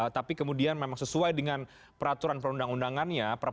tapi kemudian memang sesuai dengan peraturan perundang undangannya